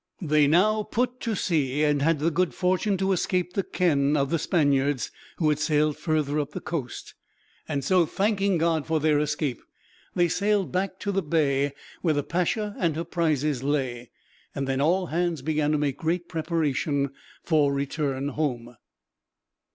They now put to sea, and had the good fortune to escape the ken of the Spaniards, who had sailed further up the coast. So, thanking God for their escape, they sailed back to the bay where the Pacha and her prizes lay, and then all hands began to make great preparation for return home.